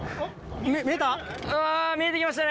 見えた？